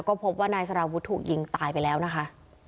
ก็พบว่านายสารวุฒิถูกยิงตายไปแล้วนะคะ